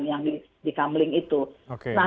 yang di kamling itu nah